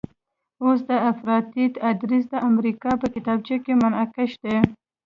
اوس د افراطیت ادرس د امریکا په کتابچه کې منقش دی.